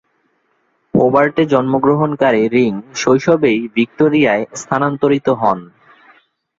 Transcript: হোবার্টে জন্মগ্রহণকারী রিং শৈশবেই ভিক্টোরিয়ায় স্থানান্তরিত হন।